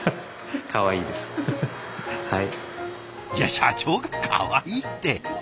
いや社長が「かわいい」って。